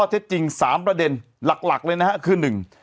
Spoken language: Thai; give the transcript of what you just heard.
เท็จจริงสามประเด็นหลักหลักเลยนะฮะคือหนึ่ง